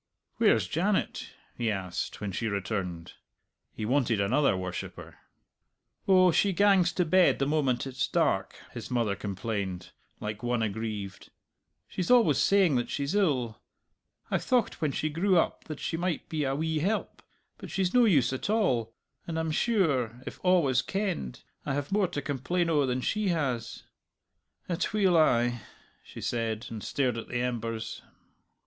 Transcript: "Where's Janet?" he asked when she returned. He wanted another worshipper. "Oh, she gangs to bed the moment it's dark," his mother complained, like one aggrieved. "She's always saying that she's ill. I thocht when she grew up that she might be a wee help, but she's no use at all. And I'm sure, if a' was kenned, I have more to complain o' than she has. Atweel ay," she said, and stared at the embers.